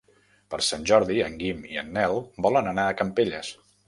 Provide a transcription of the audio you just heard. Per Sant Jordi en Guim i en Nel volen anar a Campelles.